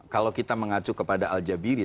kalau kita mengacu kepada al jabiri